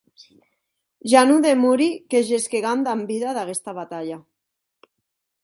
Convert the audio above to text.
Ja non demori que gescam damb vida d’aguesta batalha.